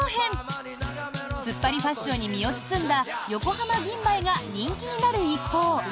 ツッパリファッションに身を包んだ横浜銀蝿が人気になる一方。